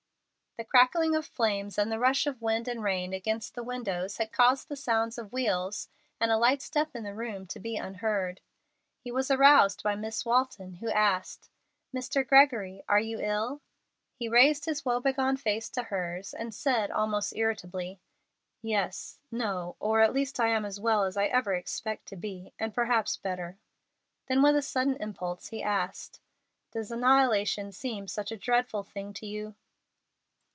The crackling of flames and the rush of wind and rain against the windows had caused the sound of wheels, and a light step in the room, to be unheard. He was aroused by Miss Walton, who asked, "Mr. Gregory, are you ill?" He raised his woe begone face to hers, and said, almost irritably, "Yes no or at least I am as well as I ever expect to be, and perhaps better." Then with a sudden impulse he asked, "Does annihilation seem such a dreadful thing to you?"